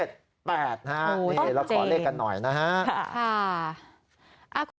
โอ้เจ๋งค่ะค่ะอ้าวขอเลขกันหน่อยนะฮะค่ะโอ้เจ๋ง